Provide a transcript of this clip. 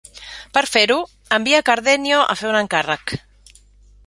Per fer-ho, envia Cardenio a fer un encàrrec.